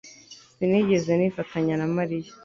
Sinigeze nifatanya na Mariya